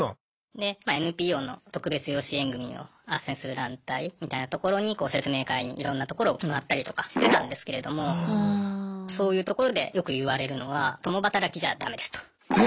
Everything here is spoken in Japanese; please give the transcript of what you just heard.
でＮＰＯの特別養子縁組をあっせんする団体みたいなところに説明会にいろんなところを回ったりとかしてたんですけれどもそういうところでよく言われるのは共働きじゃダメですと。